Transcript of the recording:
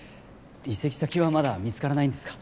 移籍先はまだ見つからないんですか？